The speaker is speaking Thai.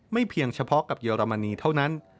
เพียงเฉพาะกับเยอรมนีเท่านั้น